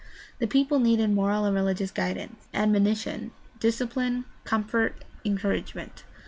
The people needed moral and religious guid ance, admonition, discipline, comfort, encouragement.